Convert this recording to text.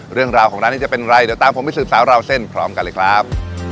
เรื่องราวของร้านนี้จะเป็นไรเดี๋ยวตามผมไปสืบสาวราวเส้นพร้อมกันเลยครับ